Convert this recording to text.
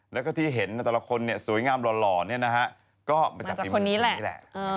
แล้วก็ที่เห็นแต่ละคนเนี่ยสวยงามหล่อเนี่ยนะฮะก็มาจากคนนี้แหละ